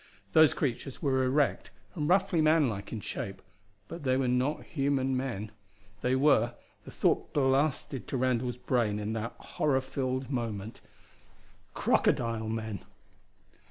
Those creatures were erect and roughly man like in shape, but they were not human men. They were the thought blasted to Randall's brain in that horror filled moment crocodile men.